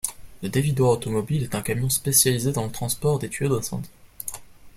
Le dévidoir automobile est un camion spécialisé dans le transport des tuyaux d'incendie.